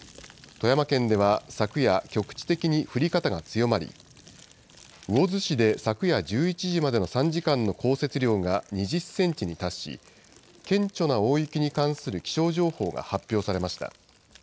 富山県では昨夜、局地的に降り方が強まり、魚津市で昨夜１１時までの３時間の降雪量が２０センチに達し、顕著な大雪に関する気象情報が発表されました。